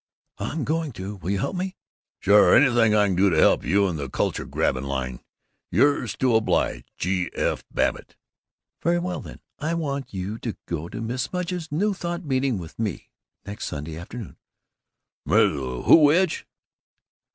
"I'm going to! Will you help me?" "Sure. Anything I can do to help you in the culture grabbing line yours to oblige, G. F. Babbitt." "Very well then, I want you to go to Mrs. Mudge's New Thought meeting with me, next Sunday afternoon." "Mrs. Who's which?"